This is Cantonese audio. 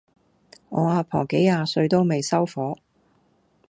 我阿婆幾廿歲都未收火